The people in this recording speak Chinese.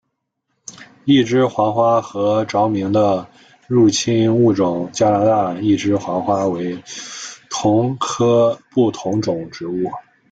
一枝黄花和着名的入侵物种加拿大一枝黄花为同科不同种植物。